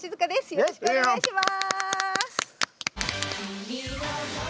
よろしくお願いします。